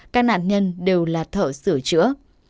các nạn nhân đều lạt thở sửa chữa